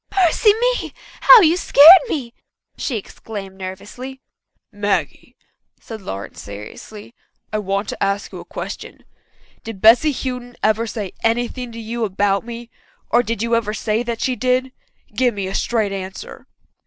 "Mercy me, how you scared me!" she exclaimed nervously. "Maggie," said Lawrence seriously, "I want to ask you a question. Did Bessy Houghton ever say anything to you about me or did you ever say that she did? Give me a straight answer."